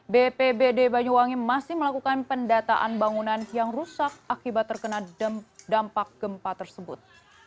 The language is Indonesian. bpbd banyuwangi masih melakukan pendataan bangunan yang rusak akibat terkena dampak gempa tersebut